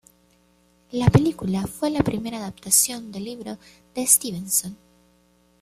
La película fue la primera adaptación del libro de Stevenson.